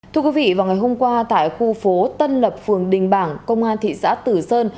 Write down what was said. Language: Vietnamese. thưa quý vị vào ngày hôm qua tại khu phố tân lập phường đình bảng công an thị xã tử sơn